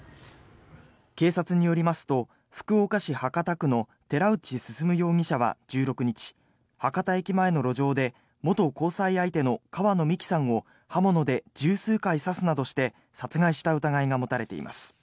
警察によりますと福岡市博多区の寺内進容疑者は１６日博多駅前の路上で元交際相手の川野美樹さんを刃物で１０数回刺すなどして殺害した疑いが持たれています。